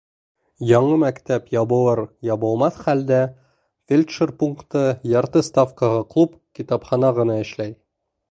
Яңы мәктәп ябылыр-ябылмаҫ хәлдә, фельдшер пункты, ярты ставкаға клуб, китапхана ғына эшләй.